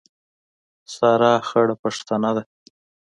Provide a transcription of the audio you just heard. سارا خړه پښتنه ده.